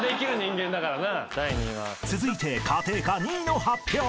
［続いて家庭科２位の発表］